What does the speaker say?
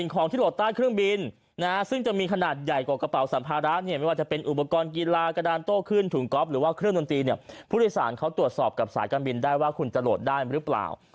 ก็มีผู้โดยสารเขาตรวจสอบกับสายการบินได้ว่าคุณจะโหลดได้หรือเปล่า